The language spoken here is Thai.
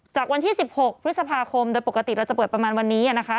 จากวันที่๑๖พฤษภาคมโดยปกติเราจะเปิดประมาณวันนี้นะคะ